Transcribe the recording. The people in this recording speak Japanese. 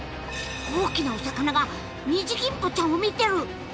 大きなお魚がニジギンポちゃんを見てる！